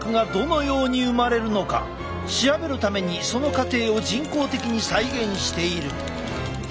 調べるためにその過程を人工的に再現している。